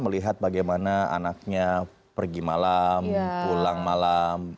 melihat bagaimana anaknya pergi malam pulang malam